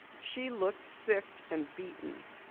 She looked sick and beaten.